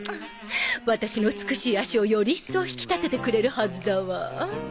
ワタシの美しい足をより一層引き立ててくれるはずだわ。